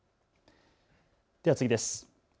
では次です。